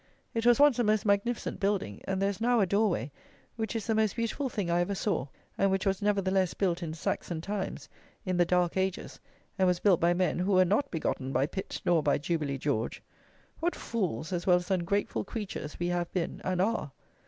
It was once a most magnificent building; and there is now a door way, which is the most beautiful thing I ever saw, and which was nevertheless built in Saxon times, in "the dark ages," and was built by men who were not begotten by Pitt nor by Jubilee George. What fools, as well as ungrateful creatures, we have been and are!